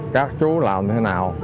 các chú làm thế nào